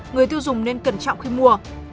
người tiêu dùng nên cẩn trọng khi mua